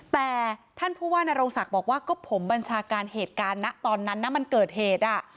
แต่ท่านผู้ว่านโรงศักดิ์บอกว่าก็ผมบัญชาการเหตุการณ์นะตอนนั้นนะมันเกิดเหตุ